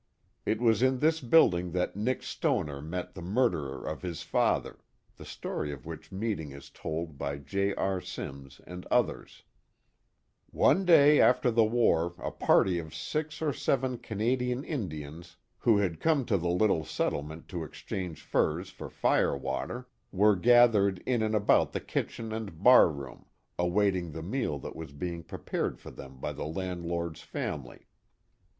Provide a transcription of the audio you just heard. It was in this building that Nick Stoner met the murderer of his father, the story of which meeting is told by J. R. Simms and others: One day after the war a party of six or seven Canadian Indians who had come to the little settlement to exchange furs for fire water, were gathered in and about the kitchen and barroom awaiting the meal that was being prepared for them by the landlord's family.